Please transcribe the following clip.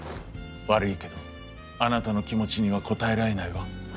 「悪いけどあなたの気持ちには応えられないわ」。